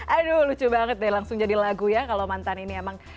aduh lucu banget deh langsung jadi lagu ya kalau mantan ini emang